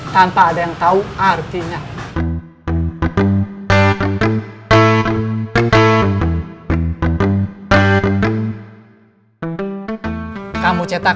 tanpa ada yang tau artinya